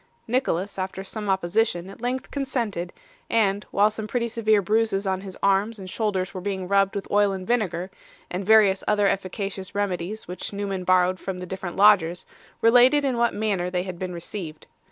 Nicholas, after some opposition, at length consented, and, while some pretty severe bruises on his arms and shoulders were being rubbed with oil and vinegar, and various other efficacious remedies which Newman borrowed from the different lodgers, related in what manner they had been received.